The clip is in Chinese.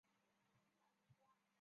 现时整个业务已被路讯通收购。